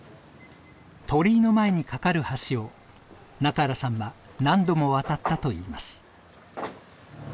鳥居の前に架かる橋を中原さんは何度も渡ったといいます。